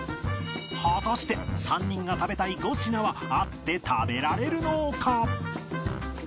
果たして３人が食べたい５品は合って食べられるのか？